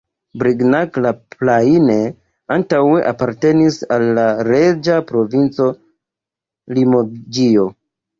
Brignac-la-Plaine antaŭe apartenis al la reĝa provinco Limoĝio.